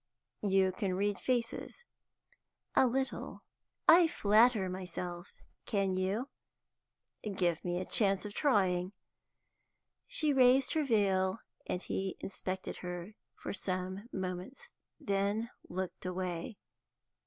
"You can read faces?" "A little, I flatter myself. Can you?" "Give me a chance of trying." She raised her veil, and he inspected her for some moments, then looked away.